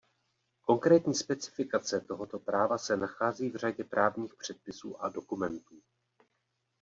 Konkrétní specifikace tohoto práva se nachází v řadě právních předpisů a dokumentů.